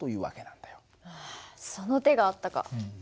あその手があったか。